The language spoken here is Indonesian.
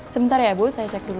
sebentar ya bu saya cek dulu